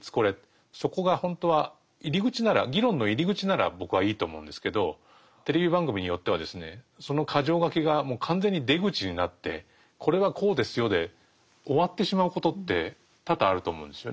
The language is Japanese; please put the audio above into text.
そこがほんとは入り口なら議論の入り口なら僕はいいと思うんですけどテレビ番組によってはその箇条書きがもう完全に出口になって「これはこうですよ」で終わってしまうことって多々あると思うんですよね。